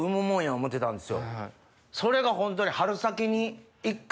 それがホントに。